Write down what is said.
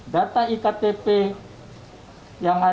data itu adalah orang yang sama